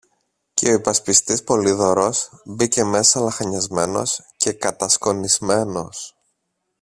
και ο υπασπιστής Πολύδωρος μπήκε μέσα λαχανιασμένος και κατασκονισμένος.